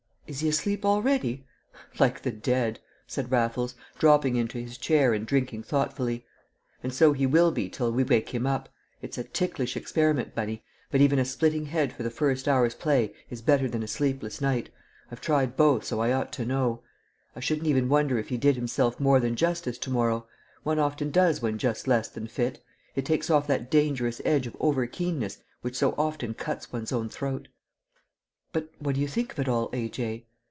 "Is he asleep already?" "Like the dead," said Raffles, dropping into his chair and drinking thoughtfully; "and so he will be till we wake him up. It's a ticklish experiment, Bunny, but even a splitting head for the first hour's play is better than a sleepless night; I've tried both, so I ought to know. I shouldn't even wonder if he did himself more than justice to morrow; one often does when just less than fit; it takes off that dangerous edge of over keenness which so often cuts one's own throat." "But what do you think of it all, A.J.?"